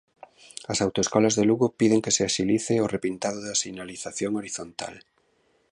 As autoescolas de Lugo piden que se axilice o repintado da sinalización horizontal.